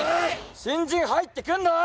新人入ってくんだろ！